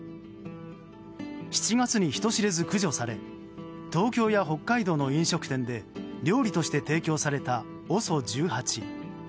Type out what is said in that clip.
７月に人知れず駆除され東京や北海道の飲食店で料理として提供されたＯＳＯ１８。